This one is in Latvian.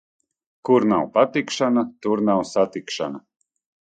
Kur nav patikšana, tur nav satikšana.